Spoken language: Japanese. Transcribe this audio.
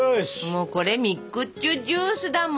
もうこれミックスジュースだもんもう。